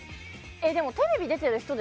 でもテレビ出てる人ですか？